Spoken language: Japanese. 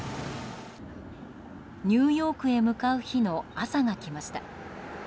ニューヨークへ向かう日の朝が来ました。